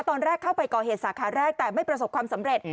ตอนแรกเข้าไปก่อเหตุสาขาแรกแต่ไม่ประสบความสำเร็จ